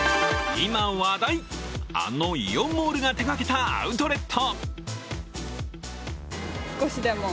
今話題、あのイオンモールが手がけたアウトレット。